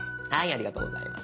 ありがとうございます。